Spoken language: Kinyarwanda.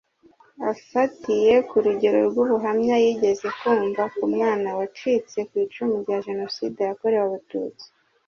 Afatiye ku rugero rw’ubuhamya yigeze kumva ku mwana wacitse ku icumu rya Jenoside yakorewe Abatutsi